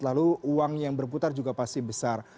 lalu uang yang berputar juga pasti besar